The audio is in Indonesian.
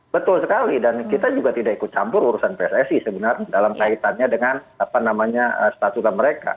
betul sekali dan kita juga tidak ikut campur urusan pssi sebenarnya dalam kaitannya dengan statuta mereka